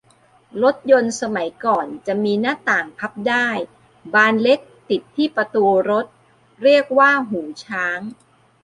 รถยนต์สมัยก่อนจะมีหน้าต่างพับได้บานเล็ก ติดที่ประตูรถ เรียกว่าหูช้าง